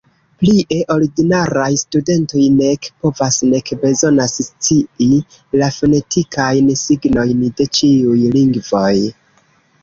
Plie, ordinaraj studentoj nek povas, nek bezonas scii la fonetikajn signojn de ĉiuj lingvoj.